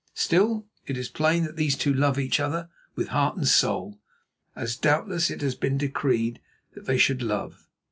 Still, it is plain that these two love each other with heart and soul, as doubtless it has been decreed that they should love.